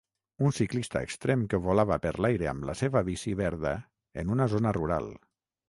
Un ciclista extrem que volava per l'aire amb la seva bici verda en una zona rural.